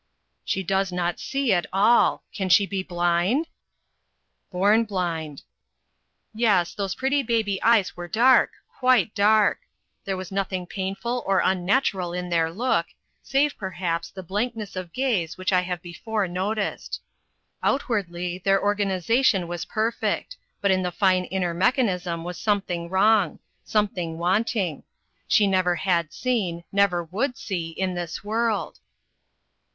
"She does not see at all. Can she be blind?" "Born blind." Yes, those pretty baby eyes were dark quite dark. There was nothing painful nor unnatural in their look, save, perhaps, the blankness of gaze which I have before noticed. Outwardly, their organization was perfect; but in the fine inner mechanism was something wrong something wanting. She never had seen never would see in this world.